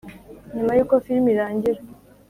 Nyuma yuko filime irangira